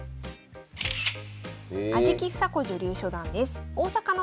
安食総子女流初段です。